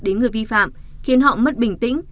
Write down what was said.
đến người vi phạm khiến họ mất bình tĩnh